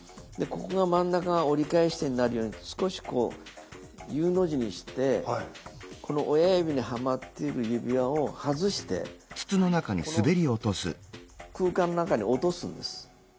ここが真ん中が折り返し地点になるように少しこうＵの字にしてこの親指にはまっている指輪を外してこの空間の中に落とすんです。